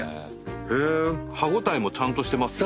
歯応えもちゃんとしてますね。